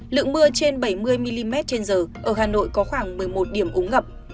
lượng mưa trên bảy mươi mm trên giờ ở hà nội có khoảng một mươi một điểm úng ngập